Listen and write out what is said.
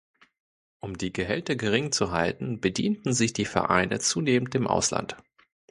Um die Gehälter gering zu halten, bedienten sich die Vereine zunehmend im Ausland.